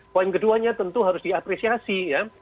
poin keduanya tentu harus diapresiasi ya